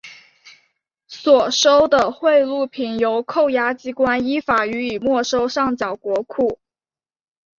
所收的贿赂品由扣押机关依法予以没收上缴国库。